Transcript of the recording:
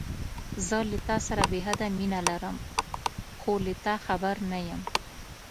زه له تاسره بې حده مينه لرم، خو له تا خبر نه يم.